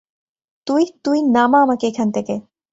তুই, তুই, নামা আমাকে এখান থেকে।